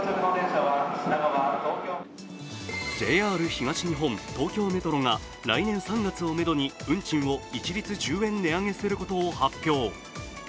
ＪＲ東日本、東京メトロが来年３月をめどに運賃を一律１０円値上げすることを発表。